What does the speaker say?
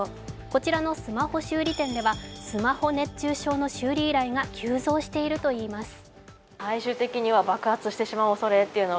こちらのスマホ修理店ではスマホ熱中症の修理依頼が急増しているといいます。